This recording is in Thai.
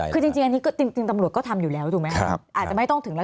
เข้าแล้วตัดใจเลย